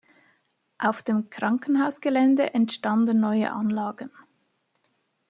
Auf dem Krankenhausgelände entstanden neue Anlagen.